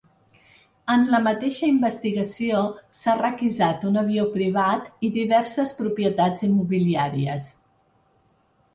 En la mateixa investigació s’ha requisat un avió privat i diverses propietats immobiliàries.